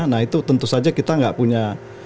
nah itu tentu saja kita nggak punya